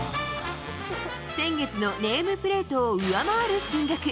先月のネームプレートを上回る金額。